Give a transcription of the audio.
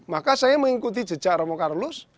maka saya mengikuti jejak romo carlos